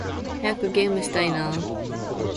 早くゲームしたいな〜〜〜